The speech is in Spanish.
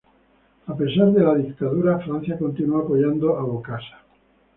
A pesar de la dictadura, Francia continuó apoyando a Bokassa.